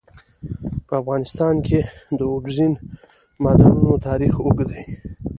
په افغانستان کې د اوبزین معدنونه تاریخ اوږد دی.